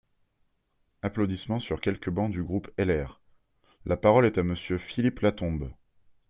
(Applaudissements sur quelques bancs du groupe LR.) La parole est à Monsieur Philippe Latombe.